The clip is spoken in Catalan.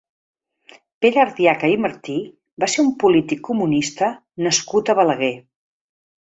Pere Ardiaca i Martí va ser un polític comunista nascut a Balaguer.